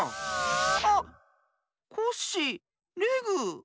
あっコッシーレグ。